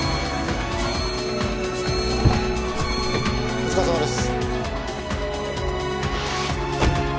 お疲れさまです。